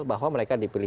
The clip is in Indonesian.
bahwa mereka dipilih